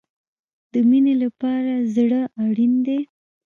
د مینې لپاره زړه اړین دی